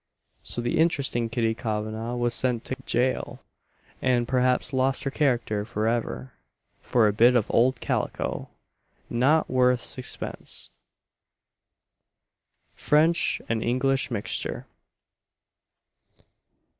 So the interesting Kitty Kavanagh was sent to gaol, and perhaps lost her character for ever, for a bit of old calico, not worth sixpence. FRENCH AND ENGLISH MIXTURE.